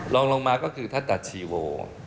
ลองลงมาก็คือทัศตาชีโว